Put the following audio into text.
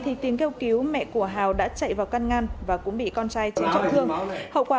thì tiền kêu cứu mẹ của hào đã chạy vào căn ngăn và cũng bị con trai chấn trọng thương hậu quả